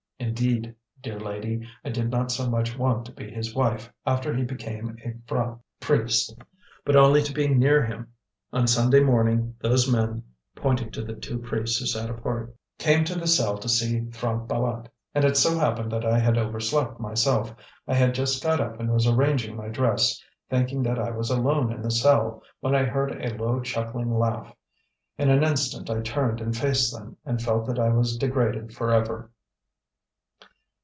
Indeed, dear lady, I did not so much want to be his wife after he became a p'hra (priest), but only to be near him. On Sunday morning, those men," pointing to the two priests who sat apart, "came to the cell to see P'hra Bâlât, and it so happened that I had overslept myself. I had just got up and was arranging my dress, thinking that I was alone in the cell, when I heard a low chuckling laugh. In an instant I turned and faced them, and felt that I was degraded forever.